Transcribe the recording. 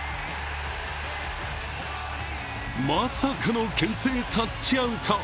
まさかのけん制タッチアウト。